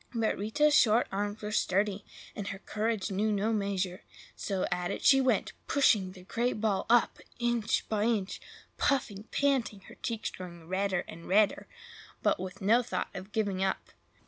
But Rita's short arms were sturdy, and her courage knew no measure; so at it she went, pushing the great ball up, inch by inch; puffing, panting, her cheeks growing redder and redder, but with no thought of giving up.